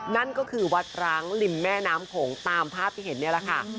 นั่นก็คือวัดร้างริมแม่น้ำโขงตามภาพที่เห็นนี่แหละค่ะ